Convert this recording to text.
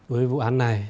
với vụ án này